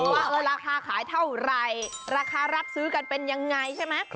หรือลาคาขายเท่าไหร่ลาคารับซื้อกันแบบอย่างไงใช่ไหม